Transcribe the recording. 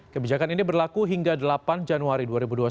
kebijakan ini berlaku hingga delapan januari dua ribu dua puluh satu